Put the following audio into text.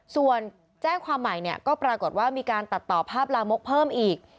ส่วนแจ้งความใหม่เนี่ยก็ปรากฏว่ามีการตัดต่อภาพลามกเพิ่มอีก